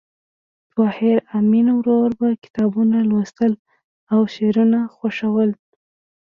د طاهر آمین ورور به کتابونه لوستل او شعرونه خوښول